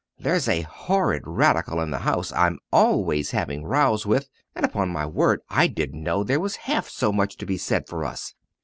There's a horrid Radical in the House I'm always having rows with and upon my word I didn't know there was half so much to be said for us!"